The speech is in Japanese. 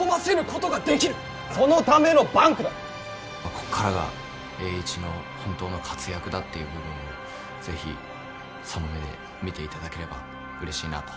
ここからが栄一の本当の活躍だという部分を是非その目で見ていただければうれしいなと思います。